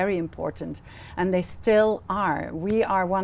với thành phố hồ chí minh